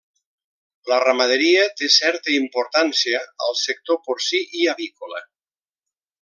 La ramaderia té certa importància al sector porcí i avícola.